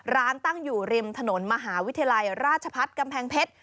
ตั้งอยู่ริมถนนมหาวิทยาลัยราชพัฒน์กำแพงเพชร